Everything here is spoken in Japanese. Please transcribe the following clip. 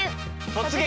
「突撃！